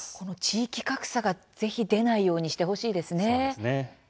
地域格差が、ぜひ出ないようにしてほしいですね。